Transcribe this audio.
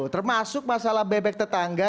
termasuk masalah bebek tetangga